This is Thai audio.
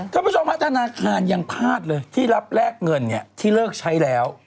ถ้าผู้ชมภาคธนาคารยังพลาดเลยที่รับแลกเงินที่เลิกใช้แล้ว